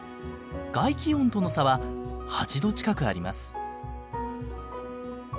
外気温との差は８度近くあります。